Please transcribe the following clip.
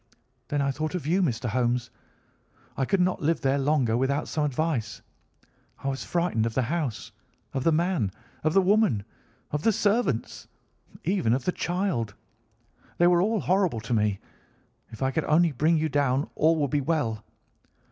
Then I thought of you, Mr. Holmes. I could not live there longer without some advice. I was frightened of the house, of the man, of the woman, of the servants, even of the child. They were all horrible to me. If I could only bring you down all would be well.